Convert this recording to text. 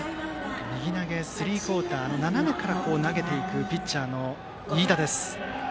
右投げ、スリークオーター斜めから投げていくピッチャーの飯田です。